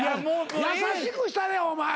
優しくしたれお前。